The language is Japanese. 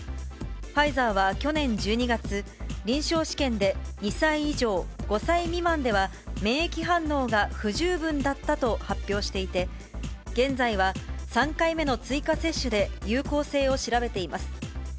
ファイザーは去年１２月、臨床試験で２歳以上５歳未満では、免疫反応が不十分だったと発表していて、現在は３回目の追加接種で有効性を調べています。